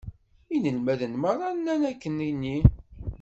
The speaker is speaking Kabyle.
Inelmaden meṛṛa nnan akken-nni.